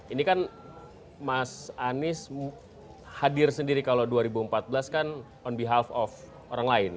ini kan mas anies hadir sendiri kalau dua ribu empat belas kan on behalf of orang lain